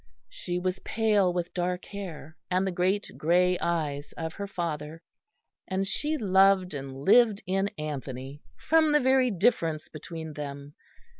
She was pale with dark hair, and the great grey eyes of her father; and she loved and lived in Anthony from the very difference between them.